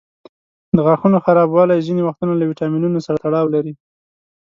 د غاښونو خرابوالی ځینې وختونه له ویټامینونو سره تړاو لري.